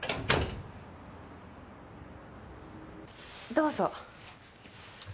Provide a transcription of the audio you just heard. どうぞ。